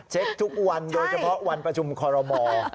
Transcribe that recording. เช็คทุกวันโดยเฉพาะวันประชุมคอลโลมอล